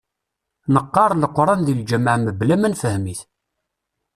Neqqar leqran deg lǧamaɛ mebla ma nefhem-it.